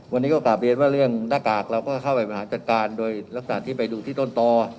วันนี้ก็กลับเรียนว่าเรื่องหน้ากากเราก็เข้าไปบริหารจัดการโดยลักษณะที่ไปดูที่ต้นต่อ